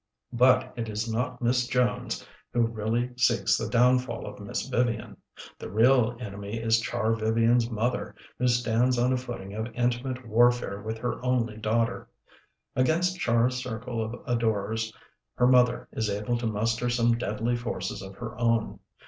But it is not Miss Jones who really seeks the downfall of Miss Vivian. The real enemy is Char Vivian's mother, who stands on a footing of intimate warfare with her only daughter. Against Char's circle of adorers her mother is able to muster some deadly forces of her own.